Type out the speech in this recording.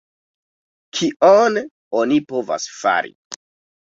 Kion oni povas fari?